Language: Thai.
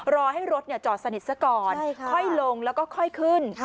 รอให้รถจอดสนิทซะก่อนค่อยลงแล้วก็ค่อยขึ้น